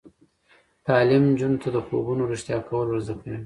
تعلیم نجونو ته د خوبونو رښتیا کول ور زده کوي.